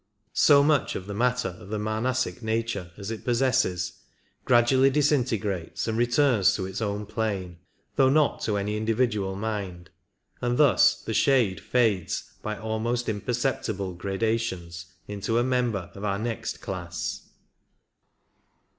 So much of the matter of the manasic nature as it possesses gradually disintegrates and returns to its own plane, though not to any individual mind, and thus the shade fades by almost imperceptible gradations into a member of our next class.